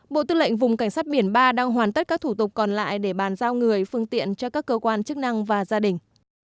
bộ tư lệnh vùng cảnh sát biển ba đang hoàn tất các thủ tục còn lại để bàn giao người phương tiện cho các cơ quan chức năng và gia đình